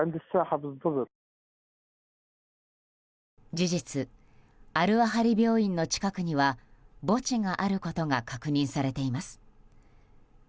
事実アル・アハリ病院の近くには墓地があることが確認されています。